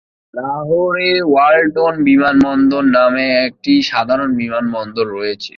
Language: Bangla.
লাহোরে ওয়ালটন বিমানবন্দর নামে একটি সাধারণ বিমান বন্দর রয়েছে।